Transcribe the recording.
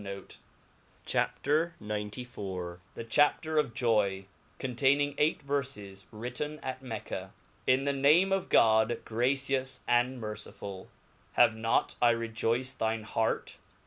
Ths chapter of Joy , containing eight Verfes, 'Written at Mecca. IN the name of God, gracious and mercifull. Have not I rejoyced thine heart